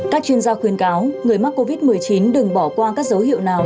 các chuyên gia khuyên cáo người mắc covid một mươi chín đừng bỏ qua các dấu hiệu nào